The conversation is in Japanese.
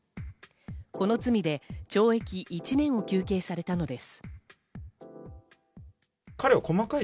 この罪で懲役１年を求刑されたのです。